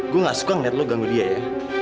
gue gak suka ngeliat lo ganggu dia ya